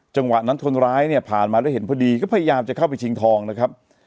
จังหวะนั้นคนร้ายเนี่ยผ่านมาแล้วเห็นพอดีก็พยายามจะเข้าไปชิงทองนะครับ